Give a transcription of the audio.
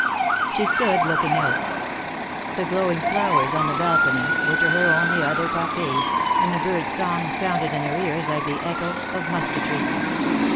She stood looking out. The glowing flowers on the balcony were to her only other cockades, and the bird's song sounded in her ears like the echo of musketry.